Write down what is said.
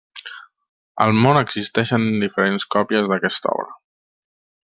Al món existeixen diferents còpies d'aquesta obra.